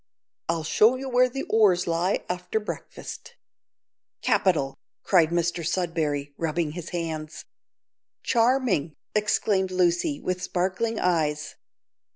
I'll show you where the oars lie after breakfast." "Capital," cried Mr Sudberry, rubbing his hands. "Charming," exclaimed Lucy, with sparkling eyes.